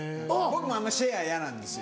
僕もあんまシェア嫌なんです。